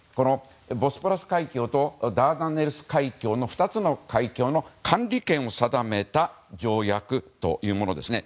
ボスポラス海峡とダーダネルス海峡の２つの海峡の管理権を定めた条約というものですね。